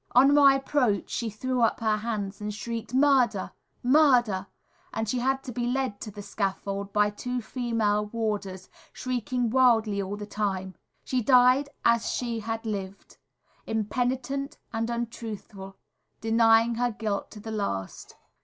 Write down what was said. On my approach she threw up her hands and shrieked, "Murder! Murder!" and she had to be led to the scaffold by two female warders, shrieking wildly all the time. She died as she had lived, impenitent and untruthful, denying her guilt to the last.